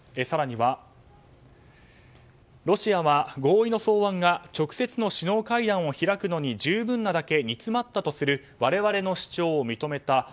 更にはロシアは合意の草案が直接の首脳会談を開くのに十分なだけ煮詰まったとする我々の主張を認めた。